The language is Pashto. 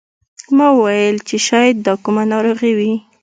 ما وویل چې شاید دا کومه ناروغي وي.